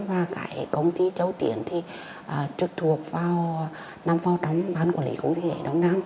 và công ty châu tiến trực thuộc vào năm hai nghìn hai mươi ban quản lý khu kinh tế đông nam